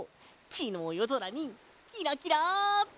きのうよぞらにキラキラって。